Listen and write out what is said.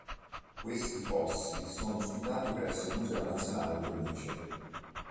Questi fossili sono ospitati presso il Museo Nazionale del Niger.